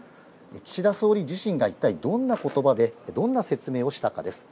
岸田総理自身が一体どんな言葉で、どんな説明をしたかです。